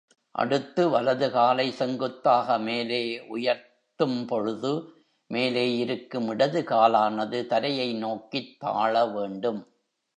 அடுத்து, வலது காலை செங்குத்தாக மேலே உயர்ததும்பொழுது, மேலே இருக்கும் இடது காலானது தரையை நோக்கித் தாழ வேண்டும்.